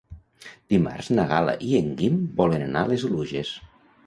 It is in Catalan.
Dimarts na Gal·la i en Guim volen anar a les Oluges.